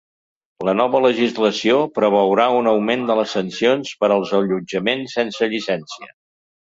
La nova legislació preveurà un augment de les sancions per als allotjaments sense llicència.